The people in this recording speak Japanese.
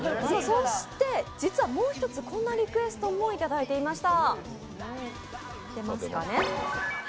そして、実はもう一つこんなリクエストもいただいておりました。